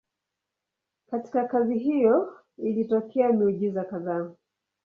Katika kazi hiyo ilitokea miujiza kadhaa.